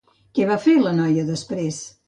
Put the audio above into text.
Què va fer la noia després?